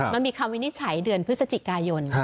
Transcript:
มันมีคำวินิจฉัยเดือนพฤศจิกายน